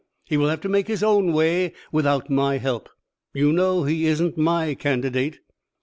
He will have to make his own way without my help. You know he isn't my candidate."